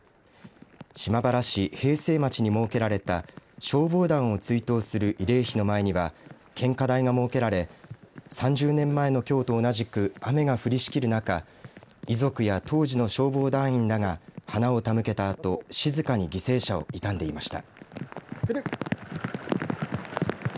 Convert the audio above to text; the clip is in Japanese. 島原市平成町に設けられた消防団を追悼する慰霊碑の前には献花台が設けられ３０年前のきょうと同じく雨が降りしきる中遺族や当時の消防団員らが花を手向けたあと静かに犠牲者を悼んでいました。